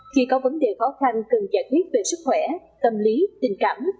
khi có vấn đề khó khăn cần giải quyết về sức khỏe tâm lý tình cảm